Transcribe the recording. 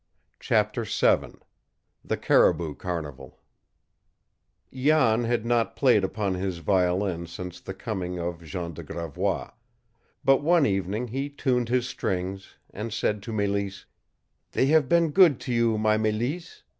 CHAPTER VII THE CARIBOU CARNIVAL Jan had not played upon his violin since the coming of Jean de Gravois; but one evening he tuned his strings, and said to Mélisse: "They have been good to you, my Mélisse.